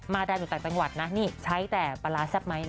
แดนอยู่ต่างจังหวัดนะนี่ใช้แต่ปลาร้าแซ่บไหมนะ